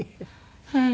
はい。